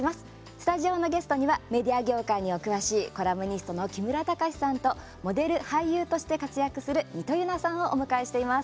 スタジオのゲストにはメディア業界にお詳しいコラムニストの木村隆志さんとモデル、俳優として活躍するみとゆなさんをお迎えしています。